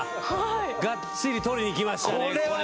がっちり取りにきましたね、これは。